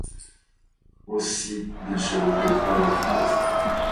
Aussi n'acheva-t-elle pas la phrase.